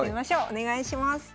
お願いします。